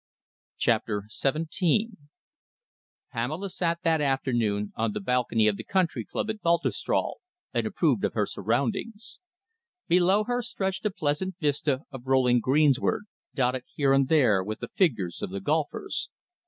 CHAPTER XVII Pamela sat that afternoon on the balcony of the country club at Baltusrol and approved of her surroundings. Below her stretched a pleasant vista of rolling greensward, dotted here and there with the figures of the golfers.